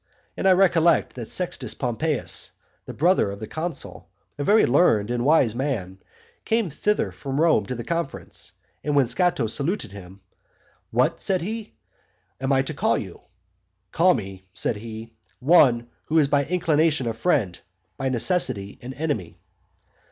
And I recollect that Sextus Pompeius, the brother of the consul, a very learned and wise man, came thither from Rome to the conference. And when Scato had saluted him, "What," said he, "am I to call you?" "Call me," said he, "one who is by inclination a friend, by necessity an enemy."